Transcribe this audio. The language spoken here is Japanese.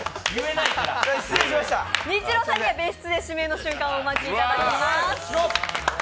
ニッチローさんには別室で指名の瞬間をお待ちいただきます。